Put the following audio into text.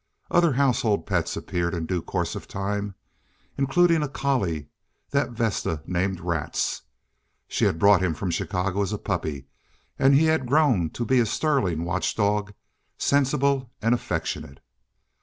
Other household pets appeared in due course of time, including a collie, that Vesta named Rats; she had brought him from Chicago as a puppy, and he had grown to be a sterling watch dog, sensible and affectionate.